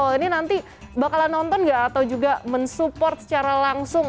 ini nanti bakalan nonton nggak atau juga mensupport secara langsung